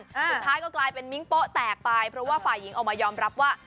สุดท้ายก็กลายเป็นมิ้งโป๊ะแตกไปเพราะว่าฝ่ายหญิงออกมายอมรับว่า